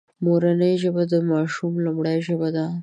مورنۍ ژبه د ماشوم لومړۍ ژبه ده